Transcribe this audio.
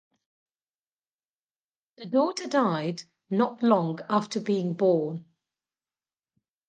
The daughter died not long after being born.